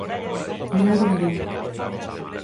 Non o dubidou.